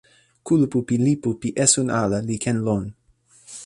kulupu pi lipu pi esun ala li ken lon.